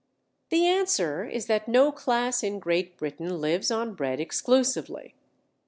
The answer is that no class in Great Britain lives on bread exclusively.